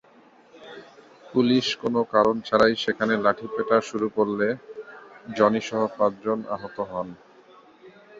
Police কোনো কারণ ছাড়াই সেখানে লাঠিপেটা শুরু করলে জনিসহ পাঁচজন আহত হন।